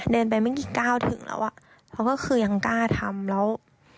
เดินไปไม่กี่ก้าวถึงแล้วอ่ะเขาก็คือยังกล้าทำแล้ว